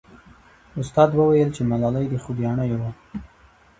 استاد وویل چې ملالۍ د خوګیاڼیو وه.